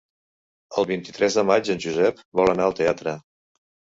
El vint-i-tres de maig en Josep vol anar al teatre.